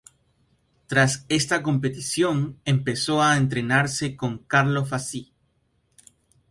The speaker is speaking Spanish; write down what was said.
Tras esta competición empezó a entrenarse con Carlo Fassi.